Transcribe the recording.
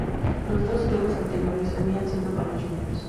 Los dos juegos anteriores habían sido para Juniors.